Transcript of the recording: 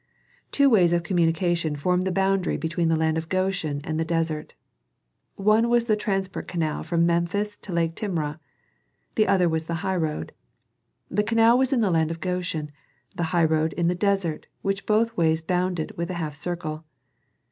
Two ways of communication formed the boundary between the land of Goshen and the desert. One was the transport canal from Memphis to Lake Timrah; the other was the highroad. The canal was in the land of Goshen, the highroad in the desert which both ways bounded with a half circle.